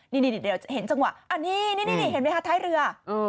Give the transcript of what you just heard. นี่เห็นจังหวะอันนี้นี่เห็นไหมคะท้ายเรือ